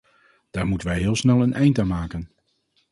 Daar moeten wij heel snel een eind aan maken.